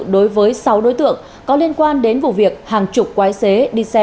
đối với sáu đối tượng có liên quan đến vụ việc hàng chục quái xế đi xe